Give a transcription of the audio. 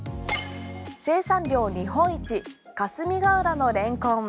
生産量日本一霞ヶ浦のレンコン。